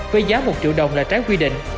với giá một triệu đồng là trái quy định